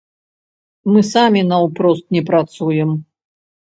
Мы самі наўпрост не працуем.